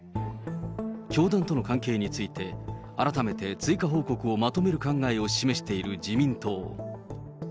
教団との関係について、改めて追加報告をまとめる考えを示している自民党。